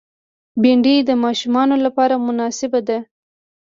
بېنډۍ د ماشومانو لپاره مناسبه ده